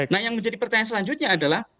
nah yang menjadi pertanyaan selanjutnya adalah